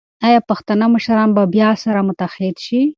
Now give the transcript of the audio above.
ایا پښتانه مشران به بیا سره متحد شي؟